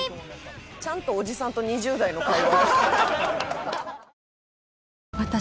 ちゃんとおじさんと２０代の会話。